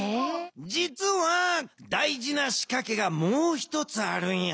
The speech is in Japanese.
じつは大事なしかけがもう一つあるんや。